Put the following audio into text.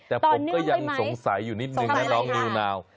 แต่ผมก็ยังสงสัยอยู่นิดนึงนะน้องนิวนาว